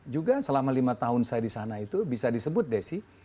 juga selama lima tahun saya di sana itu bisa disebut desi